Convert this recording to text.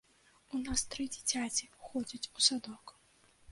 У нас тры дзіцяці ходзяць у садок.